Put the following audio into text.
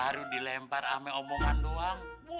baru dilempar rame omongan doang